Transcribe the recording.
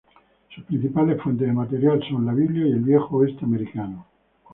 Sus principales fuentes de materia son la Biblia y el viejo oeste americano.